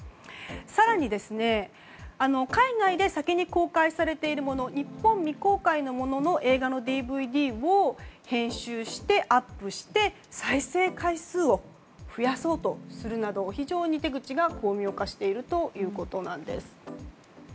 更に、海外で先に公開されているもの日本未公開のものの映画のＤＶＤを編集してアップして再生回数を増やそうとするなど非常に手口が巧妙化しているということです。